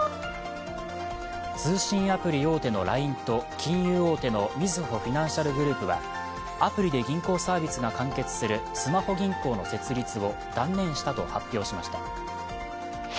通信アプリ大手のＬＩＮＥと金融大手のみずほフィナンシャルグループはアプリで銀行サービスが完結するスマホ銀行の設立を断念したと発表しました。